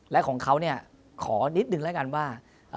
และของเขาขอนิดหนึ่งแล้วกันว่า